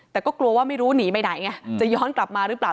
แต่ก็กลัวว่าไม่รู้หนีไปไหนไงจะย้อนกลับมาหรือเปล่า